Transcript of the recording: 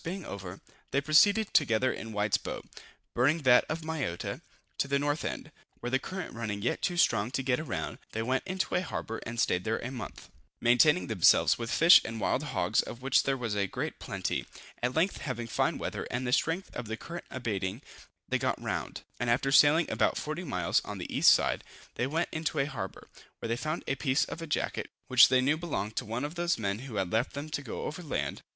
being over, they proceeded together in White's boat (burning that of Mayotta) to the north end, where the current running yet too strong to get round, they went into a harbor and staid there a month, maintaining themselves with fish and wild hogs, of which there was a great plenty. At length, having fine weather, and the strength of the current abating, they got round; and after sailing about 40 miles on the east side, they went into a harbor, where they found a piece of a jacket, which they knew belonged to one of those men who had left them to go over land.